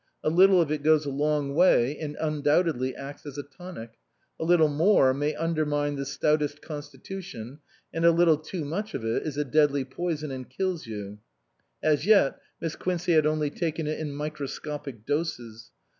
A little of it goes a long way and undoubtedly acts as a tonic ; a little more may undermine the stoutest constitution, and a little too much of it is a deadly poison and kills you. As yet Miss Quincey had only taken it in microscopic doses.